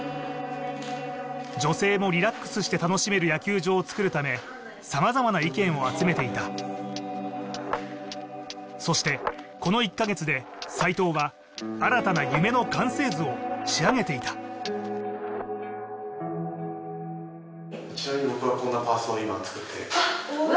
女性もリラックスして楽しめる野球場をつくるため様々な意見を集めていたそしてこの１カ月で斎藤は新たな夢の完成図を仕上げていたうわ！